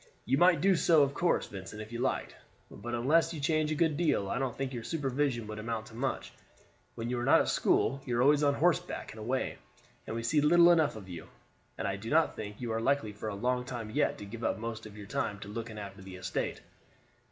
"You might do so, of course, Vincent, if you liked; but unless you change a good deal, I don't think your supervision would amount to much. When you are not at school you are always on horseback and away, and we see little enough of you, and I do not think you are likely for a long time yet to give up most of your time to looking after the estate."